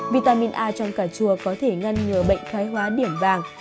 vitamin a trong cà chua có thể ngăn ngừa bệnh khái hóa điểm vàng